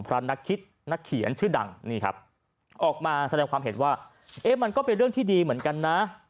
นักคิดนักเขียนชื่อดังนี่ครับออกมาแสดงความเห็นว่าเอ๊ะมันก็เป็นเรื่องที่ดีเหมือนกันนะ